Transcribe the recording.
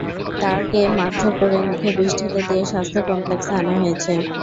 তাকে মারধর করে মুখে বিষ ঢেলে দিয়ে স্বাস্থ্য কমপ্লেক্সে আনা হয়েছে।